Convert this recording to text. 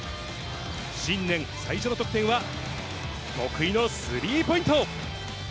新年最初の得点は、得意のスリーポイント。